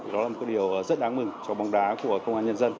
đó là một điều rất đáng mừng cho bóng đá của công an nhân dân